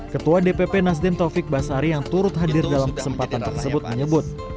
ketua dpp nasdem taufik basari yang turut hadir dalam kesempatan tersebut menyebut